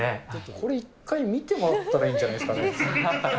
これ１回、見てもらったらいいんじゃないですかね。